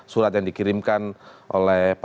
surat yang dikirimkan oleh